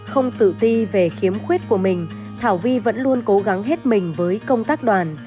không tự ti về khiếm khuyết của mình thảo vi vẫn luôn cố gắng hết mình với công tác đoàn